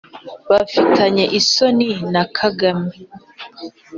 bafitanye isano na Kagame